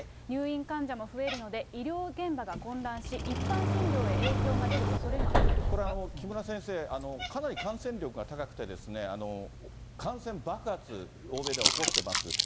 入院患者も増えるので、医療現場が混乱し、一般診療へ影響が出るこれ、木村先生、かなり感染力が高くて、感染爆発、欧米では起こしてます。